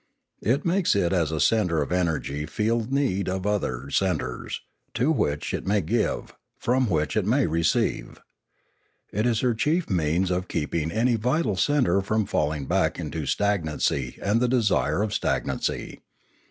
It makes it as a centre of energy feel the need of other centres, to which it may give, from which it may receive. It is her chief means of keeping any vital centre from falling back into stagnancy and the desire of stagnancy.